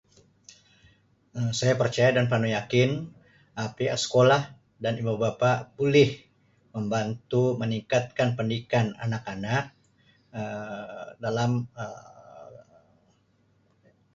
Um Saya percaya dan penuh yakin Um pihak sekolah dan ibu bapa boleh membantu meningkatkan pendidikan anak-anak Um dalam Um.